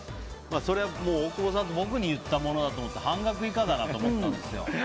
それは大久保さんと僕に言ったものだと思って半額以下だなと思ったんですよ。